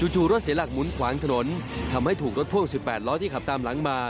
จู่รถเสียหลักหมุนขวางถนนทำให้ถูกรถพ่วง๑๘ล้อที่ขับตามหลังมา